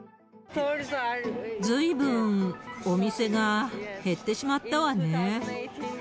ずいぶんお店が減ってしまったわね。